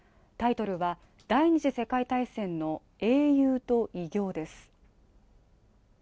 タイトルは「第二次世界大戦の英雄と偉業」です